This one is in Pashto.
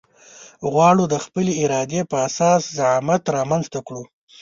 غواړو د خپلې ارادې په اساس زعامت رامنځته کړو.